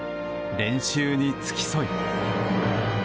練習に付き添い。